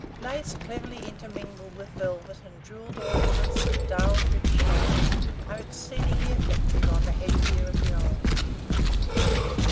Lace cleverly intermingled with velvet and jewelled ornaments of dull, rich shades are exceedingly effective on the head gear of the old.